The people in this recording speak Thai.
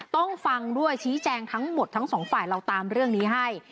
ต้องฟังด้วยชี้แจงทั้งหมดทั้งสองฝ่ายเราตามเรื่องนี้ให้